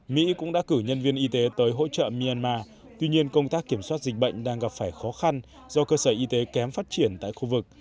mỹ cũng đã cử nhân viên y tế tới hỗ trợ myanmar tuy nhiên công tác kiểm soát dịch bệnh đang gặp phải khó khăn do cơ sở y tế kém phát triển tại khu vực